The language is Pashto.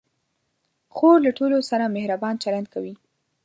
خور له ټولو سره مهربان چلند کوي.